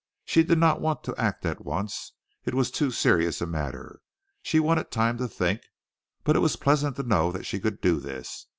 She did not want to act at once. It was too serious a matter. She wanted time to think. But it was pleasant to know that she could do this.